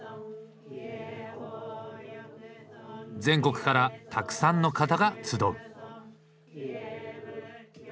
全国からたくさんの方が集う。